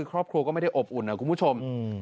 ครอบครัวก็ไม่ได้อบอุ่นนะคุณผู้ชม